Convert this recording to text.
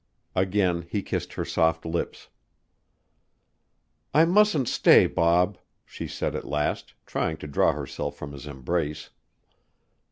Again he kissed her soft lips. "I mustn't stay, Bob," she said at last, trying to draw herself from his embrace.